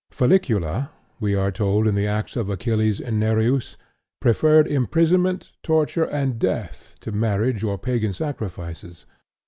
Felicula, we are told in the acts of Achilles and Nereus, preferred imprisonment, torture, and death to marriage or pagan sacrifices.